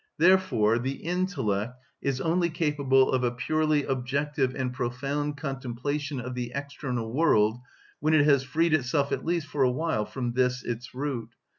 Therefore the intellect is only capable of a purely objective and profound comprehension of the external world when it has freed itself at least for a while from this its root.